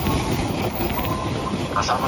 هر انسان د خپل فکر د بیان حق لري.